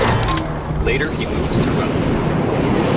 Later he moved to Rome.